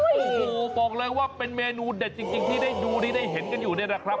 โอ้โหบอกเลยว่าเป็นเมนูเด็ดจริงที่ได้ดูที่ได้เห็นกันอยู่เนี่ยนะครับ